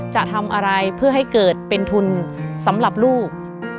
จะทำอะไรเพื่อให้เกิดเป็นทุนสำหรับลูก